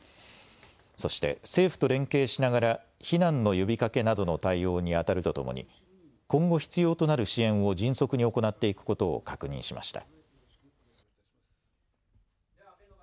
そして政府と連携しながら避難の呼びかけなどの対応にあたるとともに今後必要となる支援を迅速に行っていくことを確認しました。